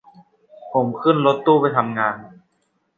ผมขึ้นรถตู้ไปทำงาน